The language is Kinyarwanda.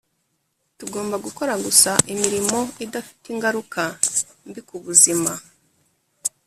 tugomba gukora gusa imirimo idafite ingaruka mbi ku buzima